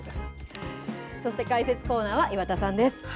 そして解説コーナーは岩田さんです。